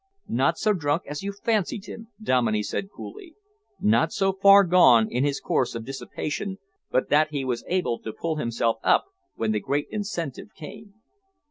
"Not so drunk as you fancied him," Dominey said coolly, "not so far gone in his course of dissipation but that he was able to pull himself up when the great incentive came."